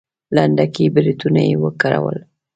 لنډکي برېتونه يې وګرول.